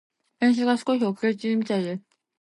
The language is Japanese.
電車が少し遅れているみたいです。